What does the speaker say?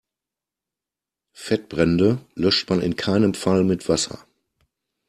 Fettbrände löscht man in keinem Fall mit Wasser.